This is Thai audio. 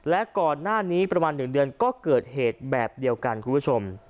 และก่อนหน้านี้ประมาณ๑เดือนก็เกิดเหตุแบบเดียวกันคุณผู้ชม